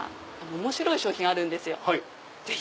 面白い商品あるんですよ。